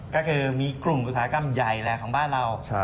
ก็คือมีกลุ่มอุตสาหกรรมใหญ่แหละของบ้านเรา